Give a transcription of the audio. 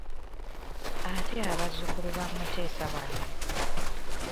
Ate abazzukulu ba Muteesa bano.